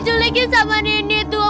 diculiknya sama nenek tua